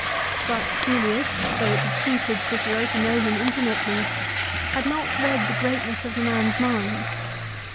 But Cselius, though it had suited Cicero to know him intimately, had not read the greatness of the man's mind.